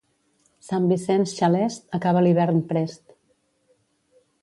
Sant Vicenç xalest, acaba l'hivern prest.